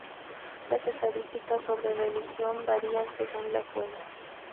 Las estadísticas sobre religión varían según la fuente.